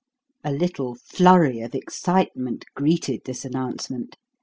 A little flurry of excitement greeted this announcement.